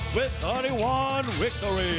สวัสดีครับ